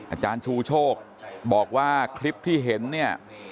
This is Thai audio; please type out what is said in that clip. อาจารย์ชูโชคบอกว่าคลิปที่เห็นเนี่ย